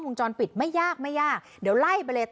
หูจะขนาดนั้นนะว่ะคนเออโอ้โหหู